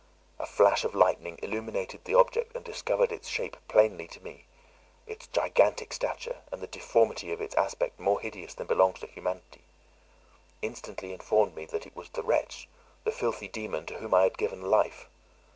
A flash of lightning illuminated the object, and discovered its shape plainly to me; its gigantic stature, and the deformity of its aspect more hideous than belongs to humanity, instantly informed me that it was the wretch, the filthy dæmon, to whom I had given life.